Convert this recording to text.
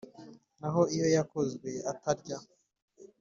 Na ho iyo akozwe atarya